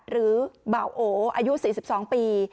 หรือบ่าโออายุ๔๒ปี